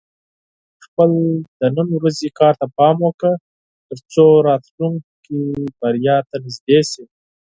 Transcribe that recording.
خپل د نن ورځې کار ته پام وکړه، ترڅو راتلونکې بریا ته نږدې شې.